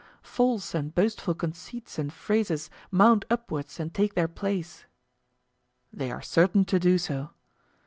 False and boastful conceits and phrases mount upwards and take their place. They are certain to do so.